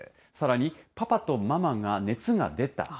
さらに、パパとママが熱が出た。